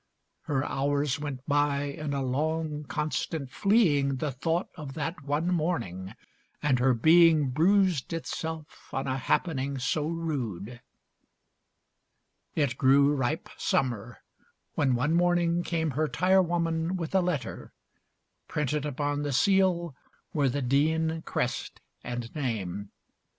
Her hours went by in a long constant fleeing The thought of that one morning. And her being Bruised itself on a happening so rude. XXXIX It grew ripe Summer, when one morning came Her tirewoman with a letter, printed Upon the seal were the Deane crest and name.